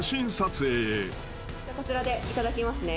こちらでいただきますね。